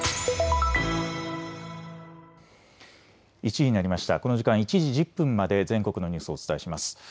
この時間、１時１０分まで全国のニュースをお伝えします。